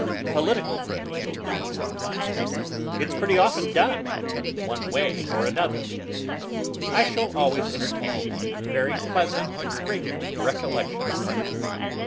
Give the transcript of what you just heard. Political friends'll do it sometimes. It's pretty often done, one way or another.' I shall always entertain a very pleasant and grateful recollection of Hartford.